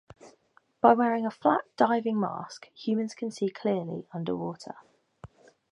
By wearing a flat diving mask, humans can see clearly under water.